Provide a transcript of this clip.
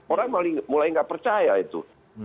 orang mulai nggak percaya itu